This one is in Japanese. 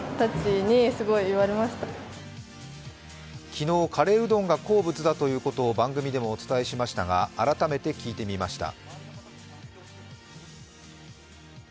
昨日、カレーうどんが好物だということを番組でもお伝えしましたが改めて聞いてみました。